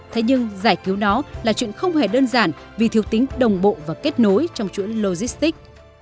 thế nhưng giải cứu nó là chuyện không hề đơn giản vì thiếu tính đồng bộ và kết nối trong chuỗi logistic